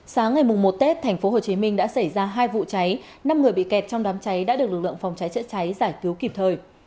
sáng ngày một tết tp hcm đã xảy ra hai vụ cháy năm người bị kẹt trong đám cháy đã được lực lượng phòng cháy chữa cháy giải cứu kịp thời